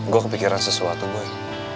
gua kepikiran sesuatu boy